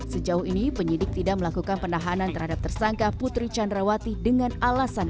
sejauh ini penyidik tidak melakukan penahanan terhadap tersangka putri candrawati dengan alasan